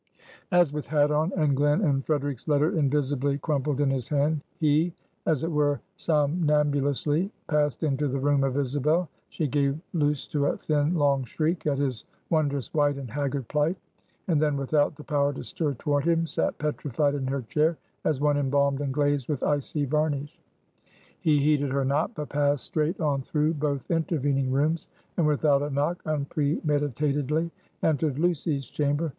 As with hat on, and Glen and Frederic's letter invisibly crumpled in his hand, he as it were somnambulously passed into the room of Isabel, she gave loose to a thin, long shriek, at his wondrous white and haggard plight; and then, without the power to stir toward him, sat petrified in her chair, as one embalmed and glazed with icy varnish. He heeded her not, but passed straight on through both intervening rooms, and without a knock unpremeditatedly entered Lucy's chamber.